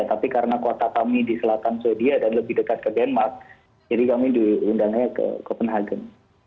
tapi karena kota kami di selatan sweden dan lebih dekat ke denmark jadi kami diundangnya ke copenhagen